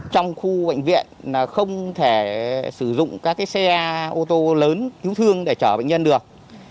trong khu bệnh viện không thể sử dụng các xe ô tô lớn cứu thương để chở bệnh nhân được